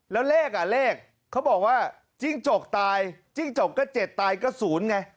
แล้วเลขอ่ะเลขเขาบอกว่าจิ้งจกตายจิ้งจกก็๗ตายก็๐ไง